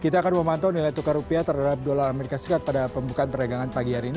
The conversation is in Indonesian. kita akan memantau nilai tukar rupiah terhadap dolar as pada pembukaan perdagangan pagi hari ini